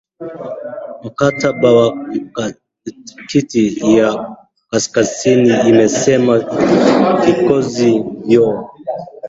mkataba wa atlantiki ya kaskazini imesema vikosi hivyo